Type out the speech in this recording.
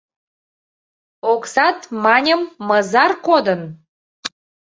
— Оксат, маньым, мызар кодын?